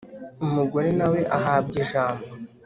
umugore na we ahabwa ijambo